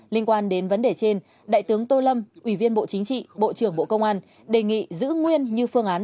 liên quan đến vấn đề trên đại tướng tô lâm ủy viên bộ chính trị bộ trưởng bộ công an đề nghị giữ nguyên như phương án